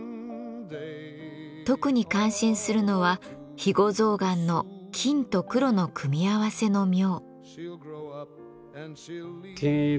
特に感心するのは肥後象がんの金と黒の組み合わせの妙。